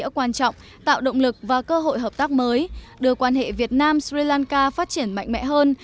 chủ tịch nước trần đại quang tạo động lực và cơ hội hợp tác mới đưa quan hệ việt nam sri lanka phát triển mạnh mẽ hơn